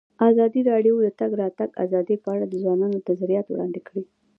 ازادي راډیو د د تګ راتګ ازادي په اړه د ځوانانو نظریات وړاندې کړي.